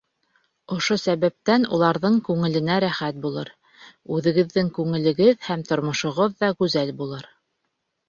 Ошо сәбәптән уларҙың күңеленә рәхәт булыр, үҙегеҙҙең күңелегеҙ һәм тормошоғоҙ ҙа гүзәл булыр.